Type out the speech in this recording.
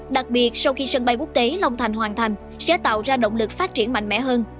đặc biệt sau khi sân bay quốc tế long thành hoàn thành sẽ tạo ra động lực phát triển mạnh mẽ hơn